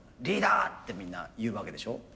「リーダー！」ってみんな言うわけでしょ。